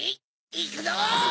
いくぞ！